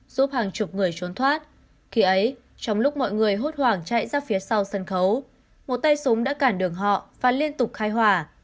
giúp hàng chục người trốn thoát khi ấy trong lúc mọi người hốt hoảng chạy ra phía sau sân khấu một tay súng đã cản đường họ và liên tục khai hỏa